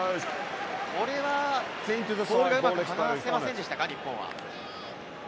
これはボールがうまく離せませんでしたか、日本は。